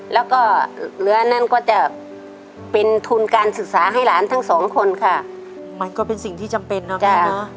แล้วก็เหลือนั้นก็จะเป็นทุนการศึกษาให้หลานทั้งสองคนค่ะมันก็เป็นสิ่งที่จำเป็นเนาะแม่เนอะ